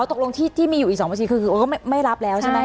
ตกลงที่มีอยู่อีก๒บัญชีคือเขาไม่รับแล้วใช่ไหม